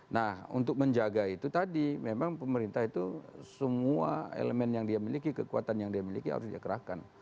nah untuk menjaga itu tadi memang pemerintah itu semua elemen yang dia miliki kekuatan yang dia miliki harus dia kerahkan